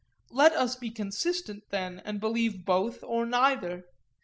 Let us be consistent then, and believe both or neither.